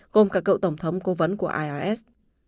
gồm cả cậu tổng thống cố vấn của irs